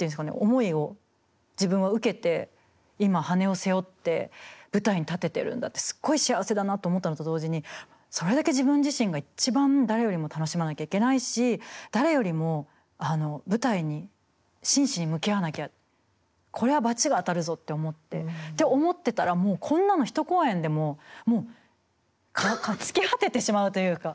思いを自分は受けて今羽根を背負って舞台に立ててるんだってすっごい幸せだなって思ったのと同時にそれだけ自分自身が一番誰よりも楽しまなきゃいけないし誰よりも舞台に真摯に向き合わなきゃこれはバチが当たるぞって思ってって思ってたらもうこんなの一公演でももう尽き果ててしまうというか。